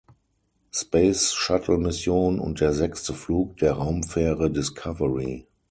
Space-Shuttle-Mission und der sechste Flug der Raumfähre Discovery.